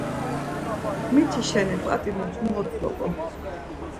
Miti şeni p̌at̆i mutu mod zop̌on.